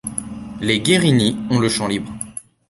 Les Guérini ont le champ libre.